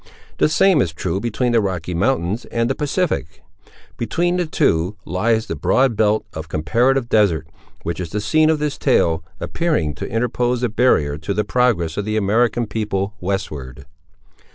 The same is true between the Rocky Mountains and the Pacific. Between the two lies the broad belt, of comparative desert, which is the scene of this tale, appearing to interpose a barrier to the progress of the American people westward.